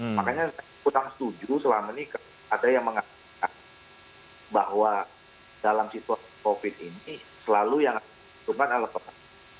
makanya saya kurang setuju selama ini ada yang mengatakan bahwa dalam situasi covid ini selalu yang dibutuhkan adalah petani